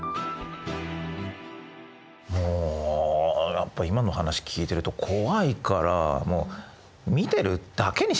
もうやっぱ今の話聞いてると怖いから見てるだけにしましょう。